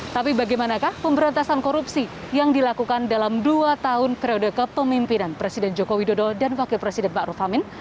tapi bagaimanakah pemberantasan korupsi yang dilakukan dalam dua tahun periode kepemimpinan presiden joko widodo dan wakil presiden ⁇ maruf ⁇ amin